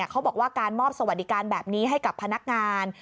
เขาบอกว่าการมอบสวัสดิการแบบนี้ให้กับพนักงาน